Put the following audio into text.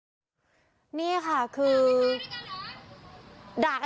แต่อย่างที่บอกค่ะแม่ลูกสามคนนี้ไม่มีใครสวมหน้ากากอนามัยเลยอ่ะค่ะ